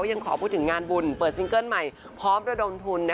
ยังขอพูดถึงงานบุญเปิดซิงเกิ้ลใหม่พร้อมระดมทุน